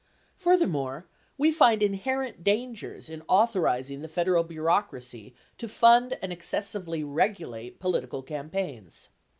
Furthermore, we find inherent dangers in authorizing the Federal bureaucracy to fund and excessively regulate political campaigns.